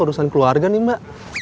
urusan keluarga nih mbak